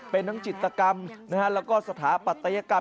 เป็นทั้งจิตกรรมแล้วก็สถาปัตยกรรม